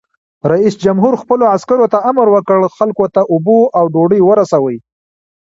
رئیس جمهور خپلو عسکرو ته امر وکړ؛ خلکو ته اوبه او ډوډۍ ورسوئ!